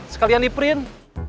sekalian di print